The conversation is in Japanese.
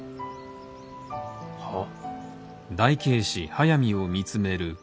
はっ？